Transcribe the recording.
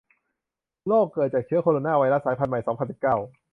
โรค เกิดจากเชื้อโคโรนาไวรัส สายพันธุ์ใหม่ สองพันสิบเก้า